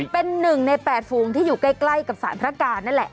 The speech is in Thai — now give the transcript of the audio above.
เป็น๑ใน๘ฝูงที่อยู่ใกล้กับสารพระการนั่นแหละ